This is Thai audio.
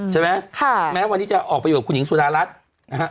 ใช่ไหมค่ะแม้วันนี้จะออกไปอยู่กับคุณหญิงสุดารัฐนะฮะ